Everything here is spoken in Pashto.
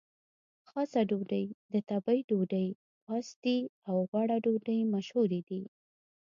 خاصه ډوډۍ، د تبۍ ډوډۍ، پاستي او غوړه ډوډۍ مشهورې دي.